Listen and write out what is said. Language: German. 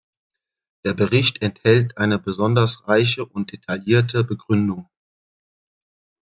Der Bericht enthält eine besonders reiche und detaillierte Begründung.